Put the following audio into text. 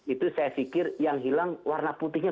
itu saya pikir yang hilang warna putihnya